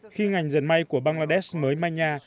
khi ngành diệt may của bangladesh mới mai nhà